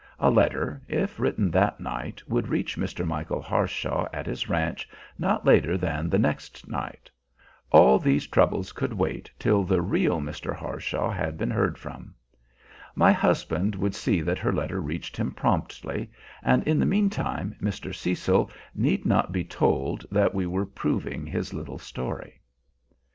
A letter, if written that night, would reach Mr. Michael Harshaw at his ranch not later than the next night. All these troubles could wait till the real Mr. Harshaw had been heard from. My husband would see that her letter reached him promptly, and in the mean time Mr. Cecil need not be told that we were proving his little story.